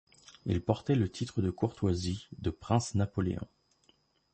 Il portait le titre de courtoisie de prince Napoléon.